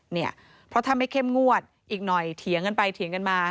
เนี่ยเพราะถ้าไม่เข้มงวดอีกหน่อยเถียงกันไปเถียงกันมา